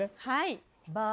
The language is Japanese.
はい。